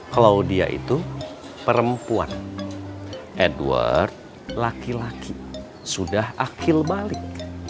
claudia itu perempuan edward laki laki sudah akil balik